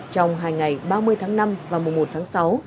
trong hai ngày ba mươi tháng năm và mùa một tháng sáu